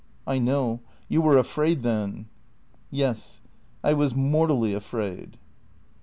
" I know. You were afraid then." " Yes. I was mortally afraid."